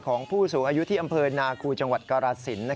ของผู้สูงอายุที่อำเภอนาคูจังหวัดกรสิน